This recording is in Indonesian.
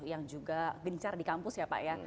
yang juga gencar di kampus ya pak ya